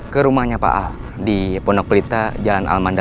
ke rumahnya pak di pondok pelita jalan almanda